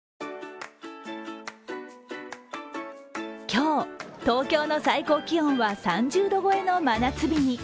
今日、東京の最高気温は３０度超えの真夏日に。